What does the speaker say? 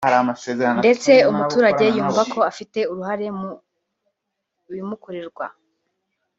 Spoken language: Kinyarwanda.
ndetse umuturage yumva ko afite uruhare mu bimukorerwa